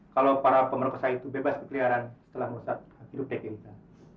kalau para pemerkosa itu bebas kekeliaran setelah mengusahakan hidup dek erika